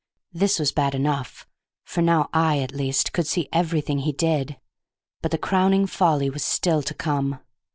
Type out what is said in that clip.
This was bad enough, for now I, at least, could see everything he did; but the crowning folly was still to come.